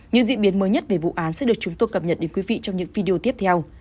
những diễn biến mới nhất về vụ án sẽ được chúng tôi cập nhật đến quý vị trong những video tiếp theo